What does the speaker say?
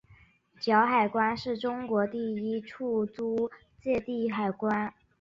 胶海关是中国第一处租借地海关。